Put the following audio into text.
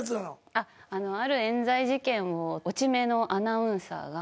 あっある冤罪事件を落ち目のアナウンサーが。